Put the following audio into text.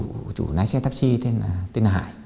và cái chủ lái xe taxi tên là hải